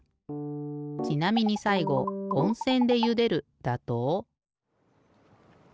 ちなみにさいごおんせんでゆでるだと。